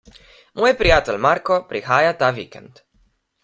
Moj prijatelj Marko prihaja ta vikend.